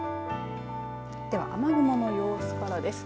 では雨雲の様子からです。